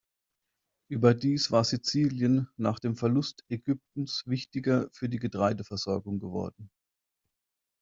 Überdies war Sizilien nach dem Verlust Ägyptens wichtiger für die Getreideversorgung geworden.